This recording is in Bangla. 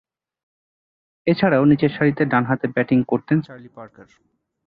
এছাড়াও, নিচেরসারিতে ডানহাতে ব্যাটিং করতেন চার্লি পার্কার।